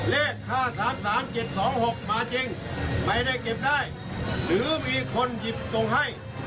เลข๕๓๓๗๒๖มาจริงไม่ได้เก็บได้หรือมีคนหยิบส่งให้